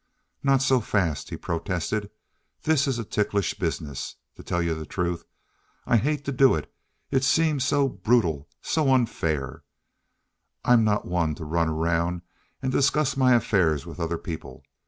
"Not so fast," he protested. "This is a ticklish business. To tell you the truth, I hate to do it. It seems so brutal—so unfair. I'm not one to run around and discuss my affairs with other people.